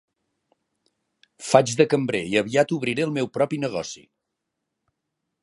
Faig de cambrer i aviat obriré el meu propi negoci.